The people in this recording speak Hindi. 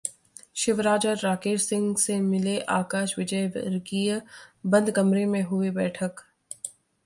शिवराज और राकेश सिंह से मिले आकाश विजयवर्गीय, बंद कमरे में हुई बैठक